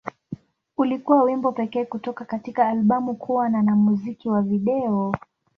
Ulikuwa wimbo pekee kutoka katika albamu kuwa na na muziki wa video.